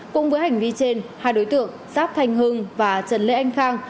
cùng với hành vi trên hai đối tượng giáp thành hưng và trần lê anh khang